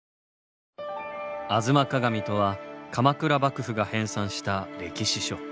「吾妻鏡」とは鎌倉幕府が編纂した歴史書。